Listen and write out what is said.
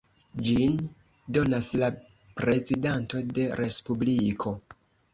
Ĝin donas la prezidanto de respubliko.